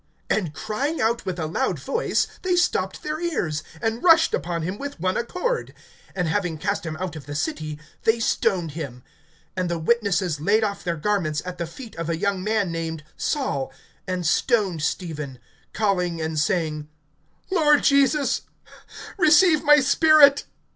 (57)And crying out with a loud voice, they stopped their ears, and rushed upon him with one accord; (58)and having cast him out of the city, they stoned him. And the witnesses laid off their garments at the feet of a young man named Saul, (59)and stoned Stephen, calling and saying: Lord Jesus, receive my spirit.